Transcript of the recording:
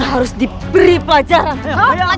tapi omu sudah mendapat yang cukup begitu einenganmu